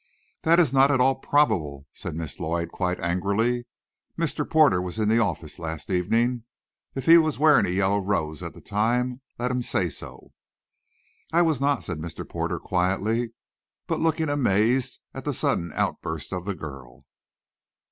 "That is not at all probable," said Miss Lloyd quite angrily. "Mr. Porter was in the office last evening; if he was wearing a yellow rose at the time, let him say so." "I was not," said Mr. Porter quietly, but looking amazed at the sudden outburst of the girl.